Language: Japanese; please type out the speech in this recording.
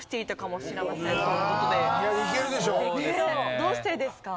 どうしてですか？